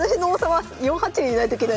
はい。